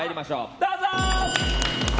どうぞ！